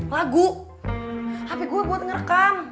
lagu hp gua buat ngerekam